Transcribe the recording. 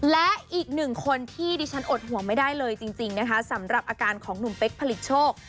และอีกหนึ่งคนที่ดิฉันอดห่วงไม่ได้เลยจริงนะคะสำหรับอาการของหนุ่มเป๊กผลิตโชค